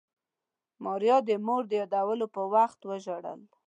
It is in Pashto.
ماريا د مور د يادولو په وخت وژړل.